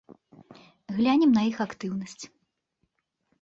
Глянем на іх актыўнасць.